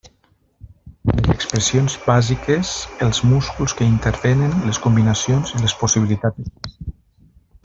Les expressions bàsiques, els músculs que hi intervenen, les combinacions i les possibilitats expressives.